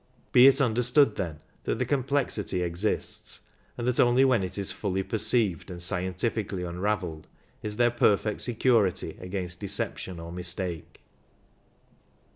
Be it understood, then, that the complexity exists, and that only when it is fully perceived and scientifically unravelled is there perfect security against deception or mistake.